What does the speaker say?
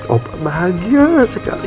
opa bahagia sekali